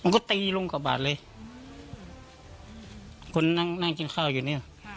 มันก็ตีลงกับบาทเลยคนนั่งกินข้าวอยู่นี่